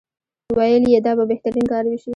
ویل یې دا به بهترین کار وشي.